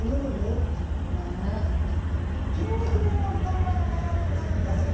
筋肉部屋のお二人は悩んでるかしら。